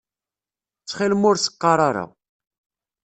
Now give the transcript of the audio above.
Ttxil-m ur s-qqaṛ ara.